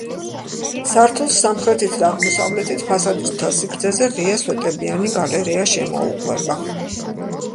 სართულს სამხრეთით და აღმოსავლეთით, ფასადის მთელ სიგრძეზე, ღია, სვეტებიანი გალერეა შემოუყვება.